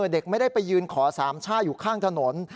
เด็กไม่ได้ไปยืนขอสามช่าอยู่ข้างถนน